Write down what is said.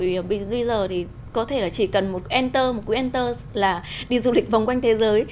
bởi vì bây giờ thì có thể là chỉ cần một enter một cái enter là đi du lịch vòng quanh thế giới